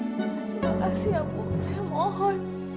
terima kasih ya bu saya mohon